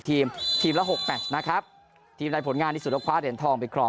ทีมทีมละ๖แปดนะครับทีมใดผลงานที่สุดก็คว้าเด่นทองไปครอบ